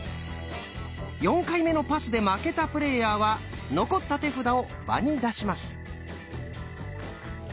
４回目のパスで負けたプレイヤーは残った手札を場に出します。